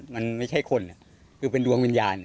มันไม่ใช่คนคือเป็นดวงวิญญาณ